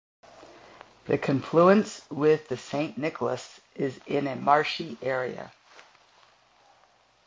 The confluence with the Saint-Nicolas is in a marshy area.